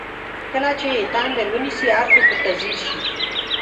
کله چې یې تندر ونیسي هر څوک ورته ځیر شي.